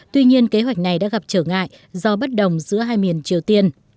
tuy nhiên kế hoạch này đã gặp trở ngại do bất đồng giữa hai miền triều tiên